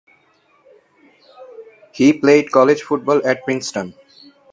He played college football at Princeton.